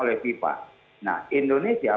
oleh fifa nah indonesia